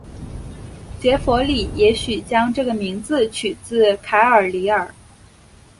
杰佛里也许将这个名字取自凯尔李尔。